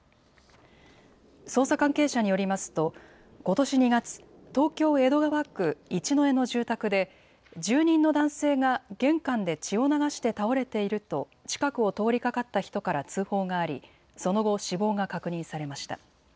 捜査関係者によりますとことし２月、東京江戸川区一之江の住宅で住人の男性が玄関で血を流して倒れていると近くを通りかかった人から通報がありその後、死亡が確認されました。